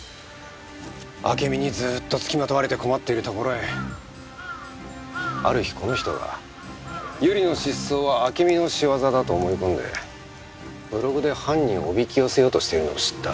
暁美にずっと付きまとわれて困っているところへある日この人が百合の失踪は暁美の仕業だと思い込んでブログで犯人をおびき寄せようとしているのを知った。